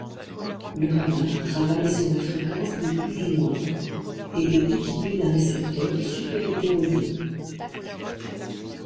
Le radar travaille sur la fréquence de ± et est équipé d'un récepteur superhétérodyne.